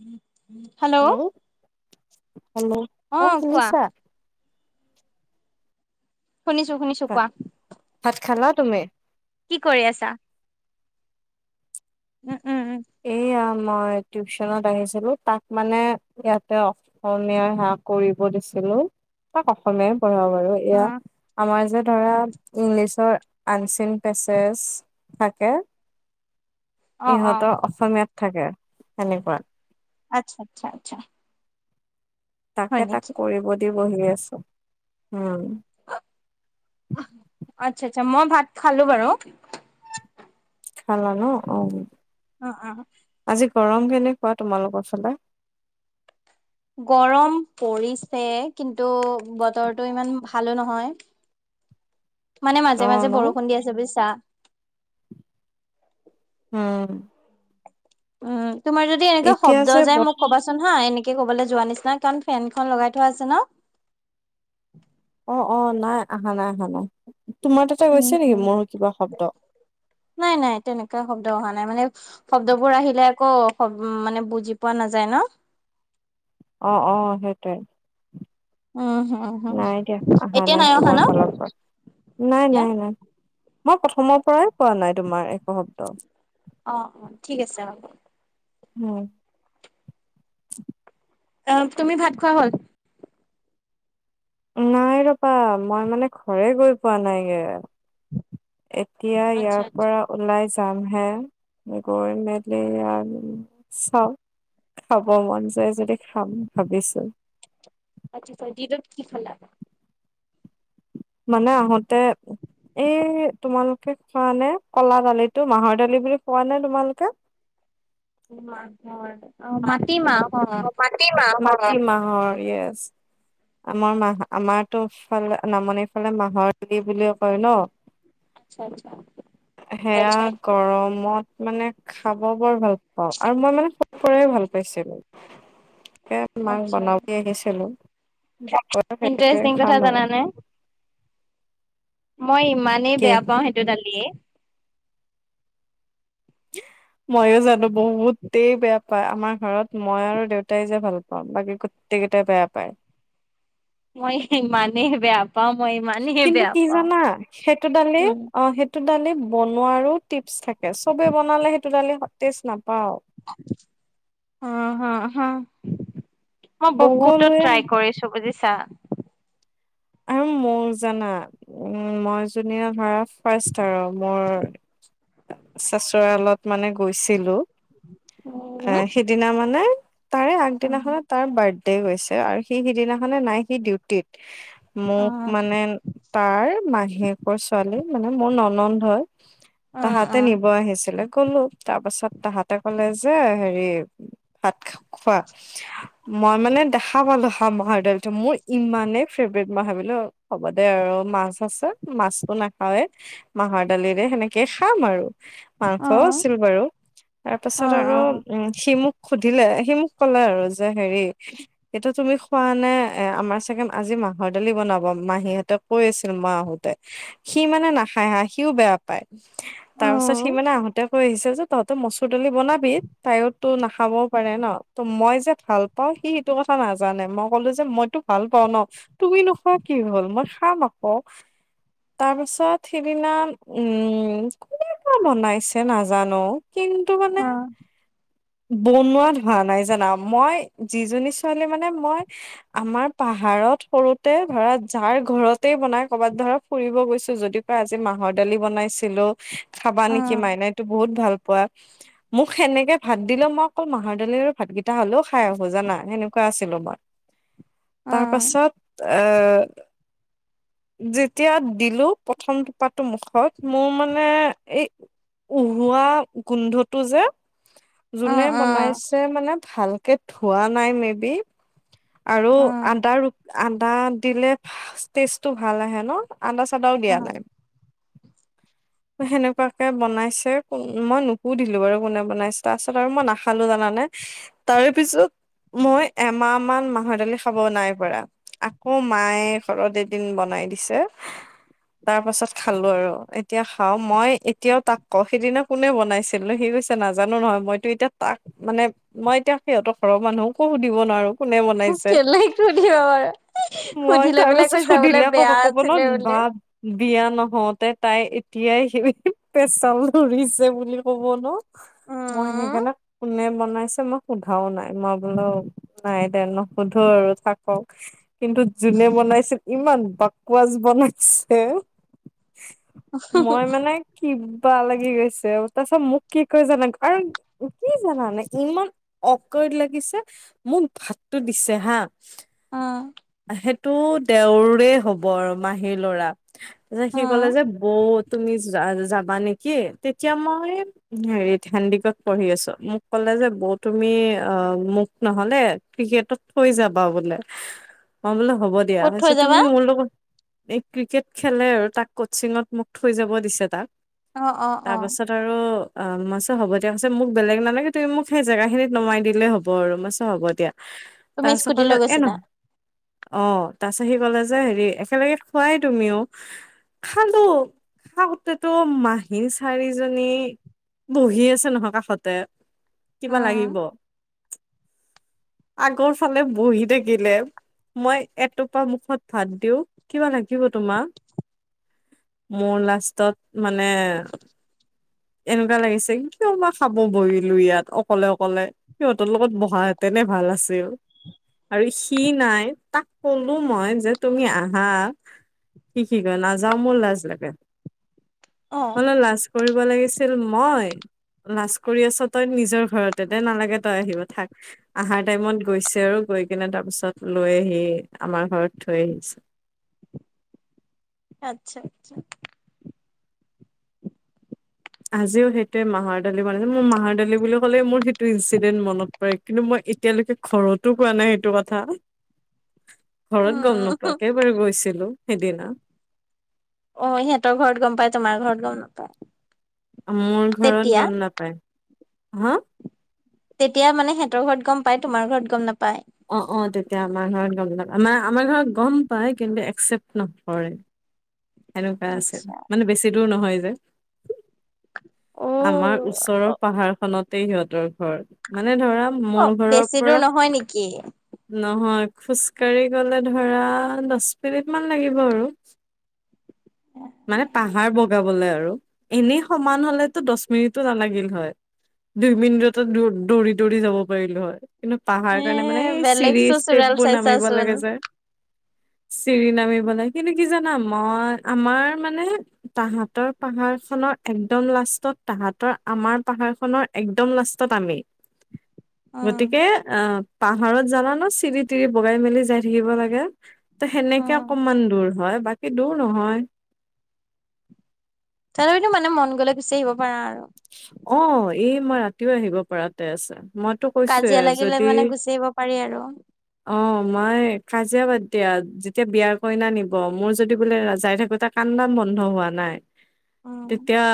উম, hello hello অ অঁ কোৱা শুনিছা? শুনিছো-শুনিছো কোৱা? ভাত খালা তুমি? কি কৰি আছা? উম, উম, এয়া মই টিউচনত আহিছিলো, তাক মানে ইয়াতে অ অসমীয়াই হাক কৰিব দিছিলো, তাক অসমীয়াই পঢ়া বাৰু। উম এয়া আমাৰ যে ধৰা' ইংলিছৰ আনচিন পেচেজ থাকে অ অ অ ইহঁতৰ অসমীয়াত থাকে, সেনেকুৱা। আচ্ছা আটছা আচ্ছা। হয় তাকে তাক নেকি কৰিব দি' বহি আছো উম। আচ্ছা আচ্ছা মই ভাত খালো বাৰু। খাল ন অঁ। অ, অ। আজি গৰম কেনেকুৱা তোমালোকৰ ফালে? গৰম পৰিছে, কিন্তু বতৰটো ইমান ভালো নহয়। [inaudible] মানে অ মাজে মাজে ন বৰষুণ দি আছে বজিছা। উম। উম, তোমাৰ যদি এনেকুৱা এতিয়া শব্দ যে যায় বত মোক ক'বাচোন হা, এনে কে ক'বালৈ যোৱা নিচিনা। কাৰণ ফেনখন লগাই থোৱা আছে ন? অ, অ নাই অহা নাই, অহা নাই। তোমাৰ তাতে উম গৈছে নেকি উম মোৰো কিবা শব্দ? নাই নাই, তেনেকুৱা শব্দ অহা নাই মানে শব্দবোৰ আহিলে আকৌ' মানে বুজি পোৱা নাযায় ন? অ অ সেইটোয়ে। উম হম হম নাই দিয়া অহা নাই তোমাৰ ফালৰ পৰা। নাই এতিয়া নাই নাই। মই প্ৰথমৰ পৰাই পোৱা নাই তোমাৰ একো শব্দ। অঁ অঁ ঠিক আছে হ'ব। উম। অ তুমি ভাত খোৱা হ'ল? নাই ৰপা, মই মানে ঘৰে গৈ পোৱা নাইগে। এতিয়া আচ্ছা ইয়াৰ আচ্ছা পৰা ওলাই যাম হে, গৈ মেলি আৰু চাও! খাব মন যায় যদি খাম' ভাবিছো। আচ্ছা ছা দিনত কি খালা? মানে আহোঁতে এই তোমালোকে খোৱানে? কলা দালিটো, মাহৰ দালি বুলি খোৱা নে তোমালোকে? মাহৰ' অ মাটি মাহৰ? টি মাহ, মাটি মাহৰ ইয়েছ। আমাৰ মাহ, আমাৰতোফালে নামনিৰ ফালে মাহৰ বুলিও কয় ন? [unintelligible] আচ্ছা, আচ্ছা। সেয়া গৰমত মানে খাব বৰ ভাল পাওঁ আৰু মই মানে পৰাই ভাল পাইছিলো। কে মাক আচ্ছা বনাব দি আহিছিলো। সেইটয়ে ইণ্টাৰেষ্টিং কথা খাম আৰু। জানানে মই ইমানেই কি বেয়া পাওঁ সেইটো দালিয়ে। ময়ো জানো বহুতেই বেয়া পায়। আমাৰ ঘৰত মই আৰু দেউতাই যে ভাল পা প বাকী গোটেই কেইটাই বেয়া পায়। মই ইমানেই বেয়া পাওঁ মই ইমানেই কিন্তু বেয়া কি পাওঁ জানা? সেইটো দালি, উম অ সেই সটো দালি বনোৱাৰো টিপচ থাকে। চবে বনালে সেইটো দালি তেষ্ট নাপাওঁ। অ, হা, হা। মই বহুত'ত সকলোৱে ট্ৰাই কৰিছো বুজিছা? মোৰ জানা? উ মই যোনদিনা ধৰা ফাৰ্ষ্ট আৰু মোৰ চচোৰালত মানে গৈছিলো। উম আহ সিদিনা মানে তাৰে অ আগদিনাখনত তাৰ বাৰ্থডে তে গৈছে আৰু সি সিদিনাখনে নাই সি ডিউটিত মোক মানে তাৰ মাহীয়েকৰ ছোৱালী মানে মোৰ ননন্দ হয়। অ অ তাহাতে নিব আহিছিলে গলো তাৰ পাছত তাহাতে ক'লে যে হেৰি ভাত খোৱা। মই মানে দেখা পালো হ মৰ দালটো মোৰ ইমানেই ফেভ মই ভাবিলো হ'ব দে আৰু মাছ আছে মাছতটো নাখাওৱেই। মাহৰ দালিৰে সেনেকে খাম আৰু অ মাংসও আছিল বাৰু। তাৰ অ অ পাছত আৰু অ উম, সি মোক সুধিলে সি মোক কলে আৰু যে হেৰি। এটো তুমি খোৱা নে এ আমাৰ চেকেনড আজি মাহ ঘডালি বনাব মাহ সিহঁতেক কৈ আছিল মই আহোতে। সি মানে নাখায় হা সিওঁ বেয়া পায়। তাৰ পিছত সি মানে আহঁতে কৈ আহিছিল যে তহঁত মচুৰ দালি বনাবি তাইও তো নাখাবও পাৰে ন। ত মই যে ভাল পাও সি সেইটো কথা নাজানে মই কলো যে মইতো ভাল পাও ন। তুমি নোখোৱা কি হ'ল মই খাম আকৌ। তাৰ পিছত সিদিনা উম, কনেবা বনাইছে নাজানো। কিন্তন্তু মানে বনোৱা ধোৱা নাই জানা মই যিজনী ছোৱালী মানে মই আমাৰ পাহাৰত সৰুতে ধৰা যাৰ ঘৰতেই বনাই কৰ'বাত ধৰা ফুৰিব গৈছো যদি কয় আজি মাহৰ দালি বনাইছিলো। খাবা অ নেকি মাইনাইতটো বহুত ভাল পোৱা। মোক সেনেকে ভাত দিলেও মই অকল মাহৰ দালিৰ ভাতকেইটা হ'লেও খাই আহো জানা সেনেকুৱা আছিলো মই। অ অ তাৰপাছত এ যেতিয়া দিলো প্ৰথম টোপাতটো মুখত মোৰ মানে এই উহোৱা গোন্ধটো যে অ যোনে অ বনাইছে মানে ভালকে ধোৱা নাই মে বি আৰু অ আদা আদা দিলে ষ্টেটো ভাল আহে ন। আদা চাদাও অ দিয়া নাই। সেনেকুৱাকে বনাইছে ক মই নুপুধিলো বাৰু কোনে বনাইছে তাৰপাছত আৰু মই নাখালো জানানে। তাৰ পিছত মই এমাহ মান মাহৰ দালি খাব নাই পৰা। আকৌ মায়ে ঘৰত এদিন বনাই দিছে। তাৰ পাছত খালো আৰু এতিয়া খাও মই এতিয়াও তাক কও সেইদিনা কোনে বনাইছিলো সি কৈছে নাজানো নহয় মইতো এতিয়া তাক মানে মই এতিয়া সিহঁতৰ ঘৰৰ মানুহকো সুধিব নোৱাৰো। কোনে বনাইছে কেলেই সুধিব পাৰা। [unintelligible] মই তাৰ পাছত সুধিলে আকৌ ক'ব ন আছিলে বোলে ভাব বিয়া নহওতে তাই এতিয়াই সি পেচাল ধৰিছে বুলি ক'ব ন। মই উম সেইকাৰণে কোনে বনাইছে মই সোধাও নাই মই বোলো। নাই দে ন সোধো আৰু থাকক। কিন্তু যোনে বনাইছিল ইমান বাকৱাচ বনাইছে। মই মানে কিবা লাগি গৈছে তাৰপিছত মোক কি কৰি জানা আৰু কি জানানে ইমান অকাড লাগিছে মোক ভাতটো দিছে হা অ', সেইটো দেওৰে হব আৰু মাহীৰ ল'ৰা তাৰপিছত অ সি কলে যে বৌ তুমি যাবা নেকি তেতিয়া মই হেৰিত হেনডিকত পঢ়ি আছে মোক কলে যে বৌ তুমি অ, মোক নহলে ক্ৰিকেটত থৈ যাবা বোলে। মই বোলে হ'ব দিয়া ক'ত হৈছে থৈ তুমি যাবা মোৰ লগত এই ক্ৰিকেট খেলে আৰু তাক কচিঙত মোক থৈ যাব দিছে তাক। অ', অ', তাৰ অ'। পাছত আৰু অ' মই কৈছো হ'ব দিয়া কৈছে মোক বেলেগ নালাগে, তুমি মোক সেই জেগা খিনিত নমাই দিলেই হ'ব আৰু মই কৈছো হ'ব দিয়া। তুমি তাৰ স্কুটি পিছফালে লৈ এ! গৈছিলা নহয়। অ', তাপিছৰ সি কলে যে হেৰি একেলগে খোৱাই তুমিও। খালো খাওঁতেতো মাহী চাৰিজনী বহি আছে নহয় কাষতে। অ কিবা লাগিব আগৰ ফালে বহি থাকিলে। মই এটোপা মুখত ভাত দিওঁ কিবা লাগিব তোমাক? মোৰ লাষ্টত মানে এনেকুৱা লাগিছে কিয়বা খাব বহিলো ইয়াত অকলে- অকলে। সিহঁতৰ লগত বহাহেঁতেনে ভাল আছিল আৰু সি নাই। তাক ক'লো মই যে তুমি আহা। সি কি কয় নাযাওঁ মোৰ লাজ লাগে অ হলে লাজ সুধিব লাগিছিল মই। লাজ কৰি আছ তই নিজৰ ঘৰতে দে নালাগে তই আহিব থাক। আহাৰ টাইমত গৈছে আৰু গৈ কিনে তাৰ পিছত লৈ আহি আমাৰ ঘৰত থৈ আহিছে। আচ্ছা, আচ্ছা। আজিও সেইটোৱে মাহৰ দালি মানে মোৰ মাহৰ দালি বুলি ক'লে মোৰ সেইটো ইনঞ্চিডেণ্ট মনত পৰে কিন্তু মই এতিয়ালৈকে ঘৰতো কোৱা নাই সেইটো কথা। ঘৰত গম উম নোপোৱাকে বাৰু গৈছিলো, সিদিনা। অ, সিহঁতৰ ঘৰত গম পাই, তোমাৰ ঘৰত গম নাপায়। মোৰ ঘৰত তেতিয়া গম নাপায়, হা? তেতিয়া মানে সিহঁতৰ ঘৰত গম পাই, তোমাৰ ঘৰত গম নাপায়। অ', অ' তেতিয়া আমাৰ ঘৰত গম নাপাই আম আমাৰ ঘৰত গম পায়, কিন্তু একচেপ্ট নকৰে। সেনেকুৱা আছে, আচ্ছা মানে বেছি দূৰ নহয় যে। অ আমাৰ ওচৰৰ অ পাহাৰ খনতে সিহঁতৰ ঘৰ মানে ধৰা মোৰ অ' ঘৰৰ বেছি দূৰ পৰা নহয় নেকি। নহয়, খোজকাাঢ়ি গলে ধৰা দচ মিনিট মান লাগিব আৰু। মানে পাহাৰ বগাবলৈ আৰু এনেই সমান হলেতো দচ মিনিতটো নালাগিল হয়। দুই মিনিটতে দৌ দৌৰি, দৌৰি যাব পাৰিলো হয়। কিন্তু পাহাৰ এ কাৰণে মানে এই বেলেগ চিৰি ষ্টেপ চোচোৰাল বোৰ নামিব চাইছাচোন লাগে যে। চিৰি নামিবলৈ, কিন্তু কি জানা? মই, আমাৰ মানে তাহাঁতৰ পাহাৰ খনৰ একদম লাষ্টত, তাহাঁতৰ আমাৰ পাহাৰ খনৰ। একদম লাষ্টাত আমি। উম গতিকে, আ'হ পাহাৰত জানা ন চিৰি, তিৰি বগাই মেলি যাই থাকিব লাগে। ত সেনেকে উম অকমান দূৰ হয়, বাকী দূৰ নহয়। তথাপিতো মানে মন গলে গুচি আহিব পাৰা আৰু। অ' এই মই ৰাতিও আহিব পৰাতে আছে, মই কাজিয়া লাগিলে মানে গুচি আহিব পাৰি আৰু। অ' মই কাজিয়া বাদ দিয়া যেতিয়া বিয়াৰ কইনা নিব মোৰ যদি বোলে যাই থাকো তা কান্দা বন্ধ হোৱা নাই, উম তেতিয়া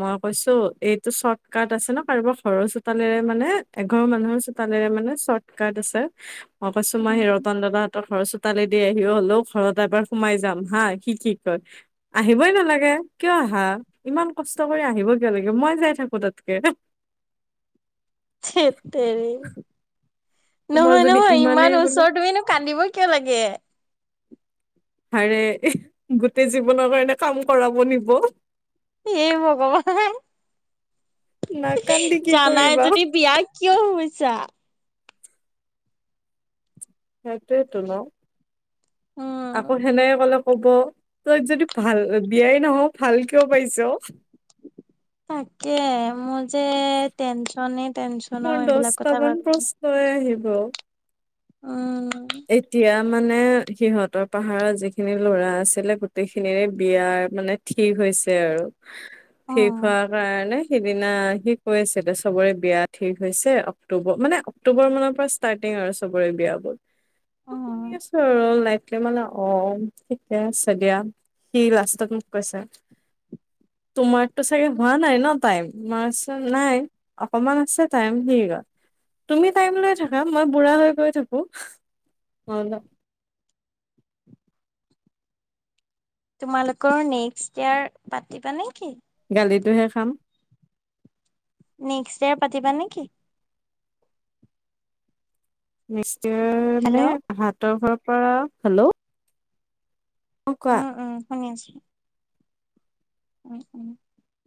মই কৈছো এইটো চৰ্ট কাট আছে ন, কাৰোবাৰ ঘৰৰ চোতালেৰে মানে এঘৰৰ মানুহৰ চোতালেৰে মানে চৰ্ট কাট আছে। মই কৈছো মই সেই ৰতন দাদা ত তই ঘৰৰ চোতালে দি আহি হলেওঁ ঘৰত এবাৰ সোমাই যাম হা সি কি কয়? আহিবই নালাগে কিয় আহা, ইমান কষ্ট কৰি আহিব কিয় লাগে মই যাই থাকো তাতকে? থেৎ তেৰি, তোমাৰ নহয়, যদি নহয় ইমানেই ইমান বোলে ওচৰ তুমিনো কান্দিব কিয় লাগে? হাৰে, গোটেই জীৱনৰ কাৰণে কাম কৰাব নিব। এ! ভগৱান নাকান্দি কি জানাই কৰিবা যদি বিয়া কিয় শুইছা? সেইতোৱেটো ন। উম আকৌ সেনেকে কলে কব তই যদি ভাল বিয়াই নহও ভাল কিয় পাইছ। তাকে মোৰ যে টেনচনেই-টেনচন। মোৰ দশটামান পুষ্টলৈ আহিব। উম, এতিয়া মানে সিহঁতৰ পাহাৰত যিখিনি লৰা আছিলে, গোটেই খিনিৰে বিয়াৰ মানে। ঠিক হৈছে আৰু অ ঠিক হোৱাৰ কাৰণে সিদিনা সি কৈ আছিলে চবৰে বিয়া ঠিক হৈছে, অক্টোবৰ মানে অক্টোবৰ মানৰ পৰা ষ্টাৰ্টিং আৰু চবৰে বিয়া লৈ। অ শুনি আছো আৰু নাইট মানে অ, ঠিকে আছে দিয়া। সি লাষ্টত মোক কৈছে? তোমাৰতো চাগে হোৱা নাই তাইম? মই কৈছোঁ নাই। অকমান আছে টাইম, সি কি কয় তুমি টাইম লৈ থাকা মই বুঢ়া হৈ গৈ থাকো। মোৰ অলপ, তোমালোকৰ নেক্সট ইয়াৰ পাতিবা নেকি? গালিতটোহে খাম। নেক্সট ইয়াৰ পাতিবা নেকি? নেক্সট ইয়াৰ হেল্ল' মান আহাতৰ ঘৰৰ পৰা হেল্ল', অ কোৱা উম, উম, শুনি আছো। উম, উম,